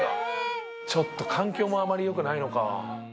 ちょっと環境もあまりよくないのか。